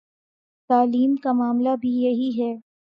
تعلیم کا معاملہ بھی یہی ہے۔